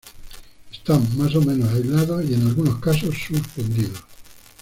Están más o menos aislados y en algunos casos, suspendidos.